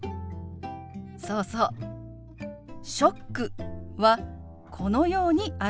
そうそう「ショック」はこのように表します。